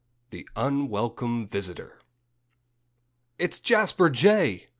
XII THE UNWELCOME VISITOR "It's Jasper Jay!"